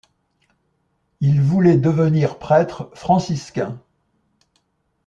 Il voulait devenir prêtre franciscain.